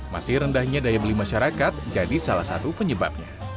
masih rendahnya daya beli masyarakat jadi salah satu penyebabnya